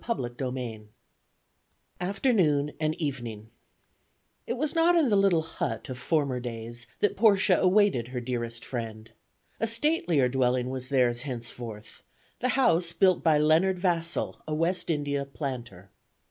CHAPTER XII AFTERNOON AND EVENING IT was not in the little "hut" of former days that Portia awaited her dearest friend. A statelier dwelling was theirs henceforth, the house built by Leonard Vassall, a West India planter.